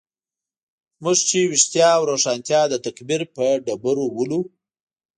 موږ چې ویښتیا او روښانتیا د تکفیر په ډبرو ولو.